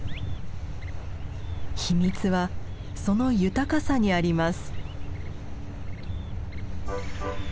秘密はその豊かさにあります。